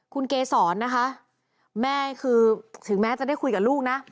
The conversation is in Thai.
คุณเกศรนะคะแม่คือถึงแม้จะได้คุยกับลูกนะ